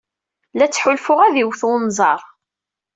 La ttḥulfuɣ ad d-iwet wenẓar.